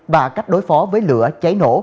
và cách đối phó với lửa cháy nổ